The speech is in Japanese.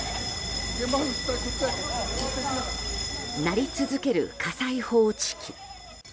鳴り続ける火災報知機。